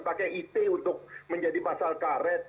pakai it untuk menjadi pasal karet